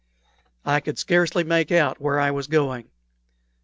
I could scarcely make out where I was going.